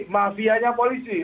tetapi mafianya polisi